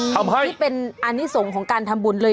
ที่เป็นอานิสงของการทำบุญเลย